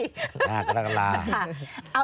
เอาอย่างนี้นี่ฉันถามจริงค่ะ